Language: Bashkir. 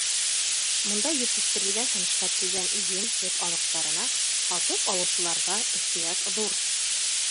Бында етештерелгән һәм эшкәртелгән иген, һөт аҙыҡтарына һатып алыусыларҙа ихтыяж ҙур.